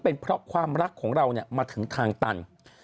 เป็นเพราะความรักของเรามาถึงทางตัน